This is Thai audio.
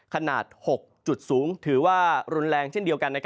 ขนาด๖สูงถือว่ารุนแรงเช่นเดียวกัน